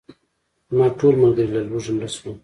زما ټول ملګري له لوږې مړه شول.